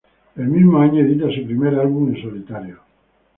El mismo año, edita su primer álbum en solitario.